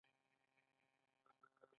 خلک د بس تمځي کې په منظم ډول ولاړ وو.